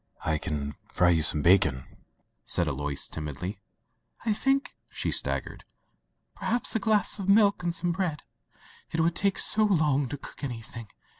"I can fry you some bacon,'* said Alois timidly. "I diink,'* she suggested, "perhaps a glass of milk and some bread — it would take so long to cook anything.